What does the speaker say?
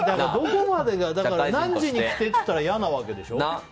何時に来てって言ったら嫌なわけでしょ。